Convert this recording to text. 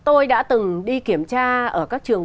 ở các trường